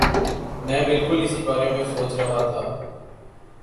میں بالکل اسی بارے میں سوچ رہا تھا